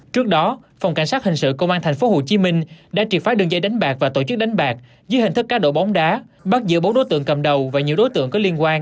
trước đó phòng cảnh sát hình sự công an tp hcm đã triệt phái đường dây đánh bạc